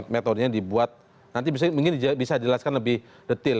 metodenya dibuat nanti mungkin bisa dijelaskan lebih detail